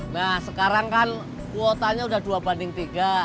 nah sekarang kan kuotanya udah dua banding tiga